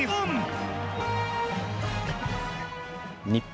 日本。